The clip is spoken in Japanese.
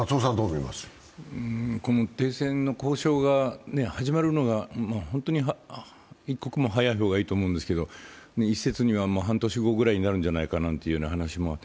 停戦の交渉が始まるのが本当に一刻も早い方がいいと思うんですけど、一説には半年後ぐらいになるんじゃないかという話も。